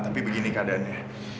tapi begini keadaannya